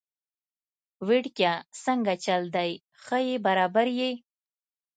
وړکیه څنګه چل دی، ښه يي برابر يي؟